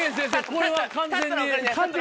これは完全に？